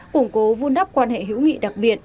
củng cố vun đắp quan hệ hữu nghị đặc biệt